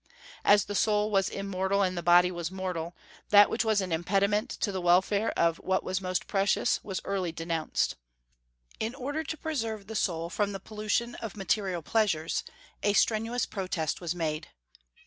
As the soul was immortal and the body was mortal, that which was an impediment to the welfare of what was most precious was early denounced. In order to preserve the soul from the pollution of material pleasures, a strenuous protest was made.